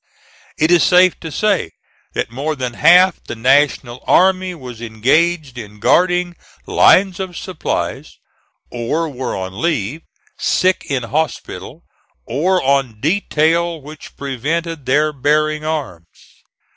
It is safe to say that more than half the National army was engaged in guarding lines of supplies, or were on leave, sick in hospital or on detail which prevented their bearing arms.